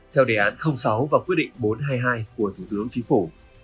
theo đề án sáu và quyết định bốn trăm hai mươi hai của thủ tướng chính phủ